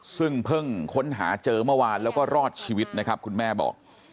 ซึ่งเพิ่งค้นหาเจอเมื่อวานแล้วก็รอดชีวิตนะครับคุณแม่บอก